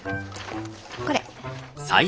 これ。